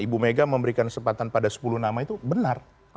ibu mega memberikan kesempatan pada sepuluh nama itu benar